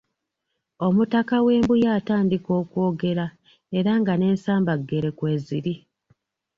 Omutaka w'e Mbuya atandika okwogera era nga n'ensambaggere kw'eziri